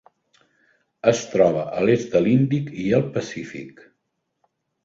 Es troba a l'est de l'Índic i al Pacífic.